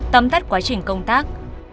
tấm tắt quá trình công tác